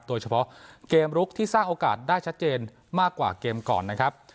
โดยเฉพาะเกมลุกที่สร้างโอกาสได้ชัดเจนมากกว่าเกมก่อนนะครับ